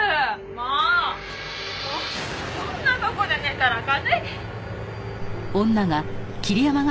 もうそんなとこで寝たら風邪。